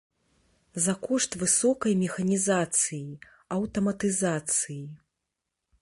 За кошт высокай механізацыі, аўтаматызацыі.